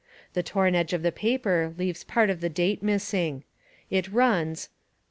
The torn edge of the paper leaves part of the date missing. It runs '...